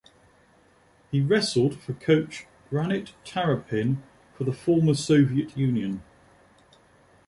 He wrestled for coach Granit Taropin for the former Soviet Union.